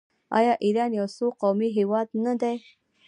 آیا ایران یو څو قومي هیواد نه دی؟